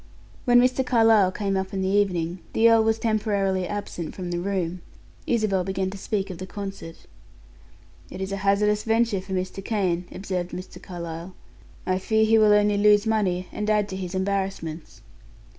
When Mr. Carlyle came up in the evening, the earl was temporarily absent from the room. Isabel began to speak of the concert. "It is a hazardous venture for Mr. Kane," observed Mr. Carlyle. "I fear he will only lose money, and add to his embarrassments."